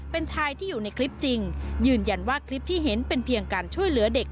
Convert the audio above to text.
เป็นชายที่อยู่ในคลิปจริงยืนยันว่าคลิปที่เห็นเป็นเพียงการช่วยเหลือเด็ก